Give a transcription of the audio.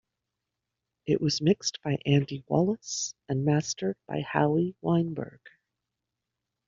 It was mixed by Andy Wallace and mastered by Howie Weinberg.